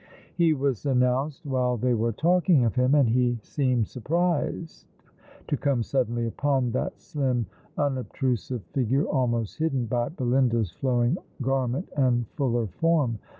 He was announced while they were talking of him, and he seemed surprised to come suddenly upon that slim unob trusive figure almost hidden by Belinda's flowing garment and fuller form.